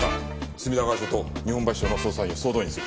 隅田川署と日本橋署の捜査員を総動員する。